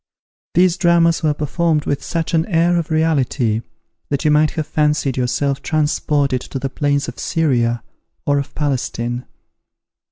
These dramas were performed with such an air of reality that you might have fancied yourself transported to the plains of Syria or of Palestine.